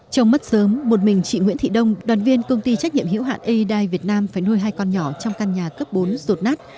trong mắt sớm một mình chị nguyễn thị đông đoàn viên công ty trách nhiệm hữu hạn aedai việt nam phải nuôi hai con nhỏ trong căn nhà cấp bốn rột nát